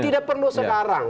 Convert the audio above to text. tidak perlu sekarang